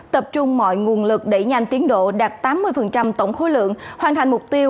tập trung mọi nguồn lực đẩy nhanh tiến độ đạt tám mươi tổng khối lượng hoàn thành mục tiêu